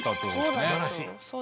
すばらしい！